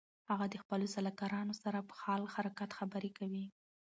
هغه د خپلو سلاکارانو سره په حال حرکت خبرې کوي.